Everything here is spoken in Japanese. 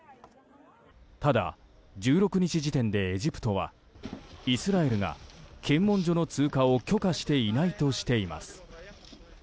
ただ、１６日時点でエジプトはイスラエルが検問所の通過を許可していないとしています。